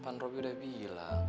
pan robi udah bilang